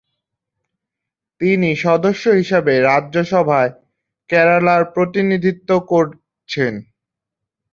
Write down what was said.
তিনি সদস্য হিসাবে রাজ্যসভায় কেরালার প্রতিনিধিত্ব করেছেন।